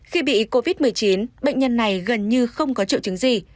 khi bị covid một mươi chín bệnh nhân này gần như không có triệu chứng gì